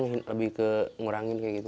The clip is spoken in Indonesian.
makan cuman lebih ke ngurangin kayak gitu